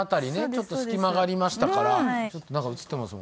ちょっと隙間がありましたから何か映ってます